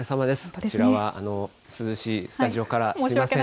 こちらは涼しいスタジオからすみません。